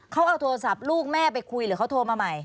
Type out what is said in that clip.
เขาเอาโทรศัพท์ลูกแม่ไปคุยหรือเขาโทรมาใหม่